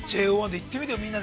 ◆ＪＯ１で行ってみてよ。